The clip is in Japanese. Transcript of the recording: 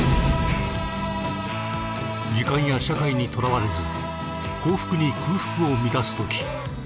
時間や社会にとらわれず幸福に空腹を満たすとき